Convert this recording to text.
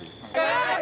naik naik naik